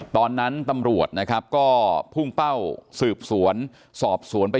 ตอนนั้นตำรวจนะครับก็พุ่งเป้าสืบสวนสอบสวนไป